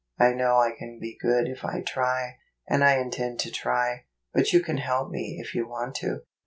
I know I can be good if I try, and I intend to try, but you can help me if you want to